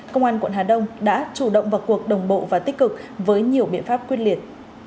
công an quận hà đông đã chủ động vào cuộc đồng bộ và tích cực với nhiều biện pháp quyết liệt